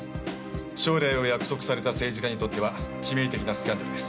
将来を約束された政治家にとっては致命的なスキャンダルです。